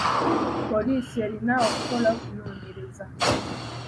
Poliisi erina okukola okunoonyeraza.